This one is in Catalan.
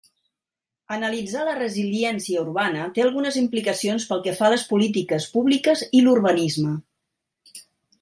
Analitzar la resiliència urbana té algunes implicacions pel que fa a les polítiques públiques i l'urbanisme.